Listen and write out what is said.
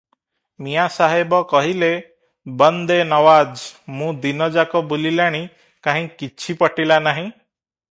ମିଆଁ ସାହେବ କହିଲେ --"ବନ୍ଦେ ନୱାଜ, ମୁଁ ଦିନଯାକ ବୁଲିଲାଣି, କାହିଁ କିଛି ପଟିଲା ନାହିଁ ।